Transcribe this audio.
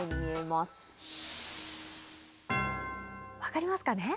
分かりますかね？